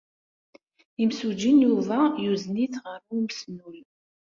Imsujji n Yuba yuzen-it ɣer umesnul.